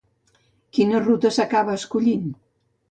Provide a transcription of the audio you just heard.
Quina ruta acaba escollint?